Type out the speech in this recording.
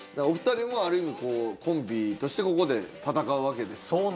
お二人もある意味コンビとしてここで戦うわけですから。